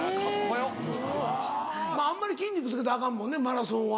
よっ・あんまり筋肉つけたらアカンもんねマラソンは。